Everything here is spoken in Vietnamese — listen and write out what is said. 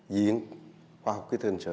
diễn khoa học kỹ thuật hình sự